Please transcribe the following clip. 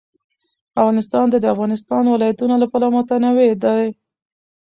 افغانستان د د افغانستان ولايتونه له پلوه متنوع دی.